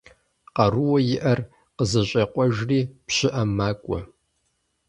Къарууэ иӀэр къызэщӀекъуэжри, пщыӏэм макӀуэ.